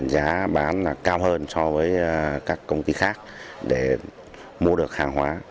giá bán là cao hơn so với các công ty khác để mua được hàng hóa